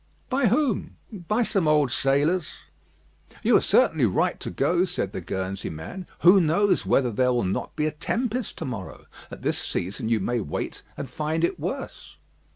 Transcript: "By whom?" "By some old sailors." "You were certainly right to go," said the Guernsey man. "Who knows whether there will not be a tempest to morrow? At this season you may wait and find it worse."